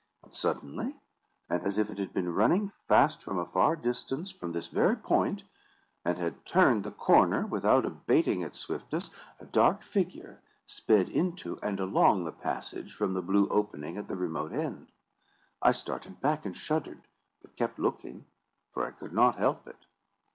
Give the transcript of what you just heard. But, suddenly, and as if it had been running fast from a far distance for this very point, and had turned the corner without abating its swiftness, a dark figure sped into and along the passage from the blue opening at the remote end. I started back and shuddered, but kept looking, for I could not help it.